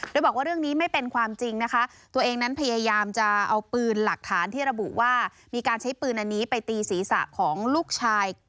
โดยบอกว่าเรื่องนี้ไม่เป็นความจริงนะคะตัวเองนั้นพยายามจะเอาปืนหลักฐานที่ระบุว่ามีการใช้ปืนอันนี้ไปตีศีรษะของลูกชาย